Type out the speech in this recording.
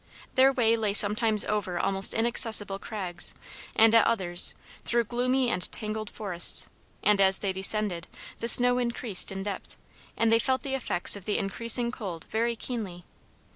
Their way lay sometimes over almost inaccessible crags, and at others, through gloomy and tangled forests, and as they descended, the snow increased in depth, and they felt the effects of the increasing cold very keenly.